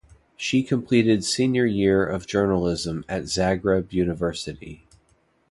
She completed senior year of journalism at Zagreb University.